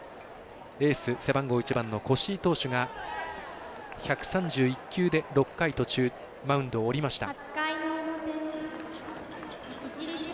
エース、背番号１番の越井投手が１３１球で６回途中、マウンドを降りました。